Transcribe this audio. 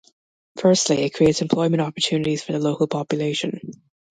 Firstly, it creates employment opportunities for the local population.